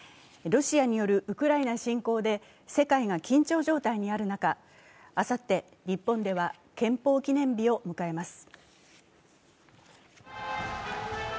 ロシアによるウクライナ侵攻で世界が緊張状態にある中、あさって日本では憲法記念日を迎えます。